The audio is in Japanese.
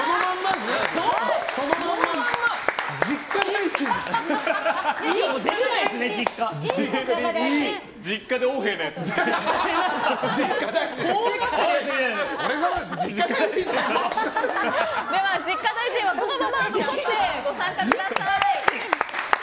では実家大臣はこのままご参加ください。